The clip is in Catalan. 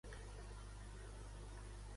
Què més representava Xipe-Totec?